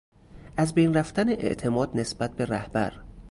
ازبین رفتن اعتماد نسبت به رهبر